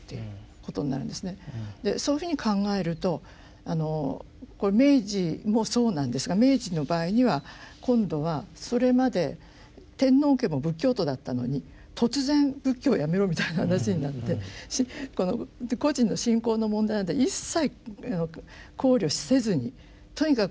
でそういうふうに考えるとあのこれ明治もそうなんですが明治の場合には今度はそれまで天皇家も仏教徒だったのに突然仏教をやめろみたいな話になって個人の信仰の問題なんて一切考慮せずにとにかく今度は神道なんだと。